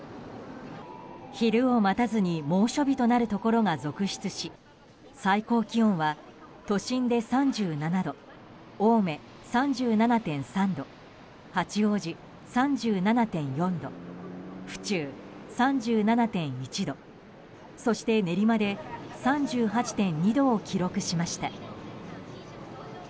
昼を待たずに猛暑日となるところが続出し最高気温は都心で３７度青梅、３７．３度八王子、３７．４度府中、３７．１度そして練馬で３８．２度を記録しました。